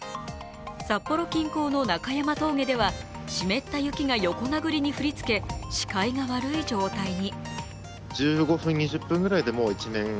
札幌近郊の中山峠では湿った雪が横殴りに降りつけ、視界が悪い状態に。